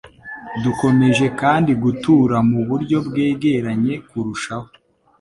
Dukomeje kandi gutura mu buryo bwegeranye kurushaho.